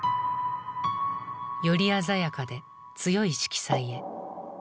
より鮮やかで強い色彩へ。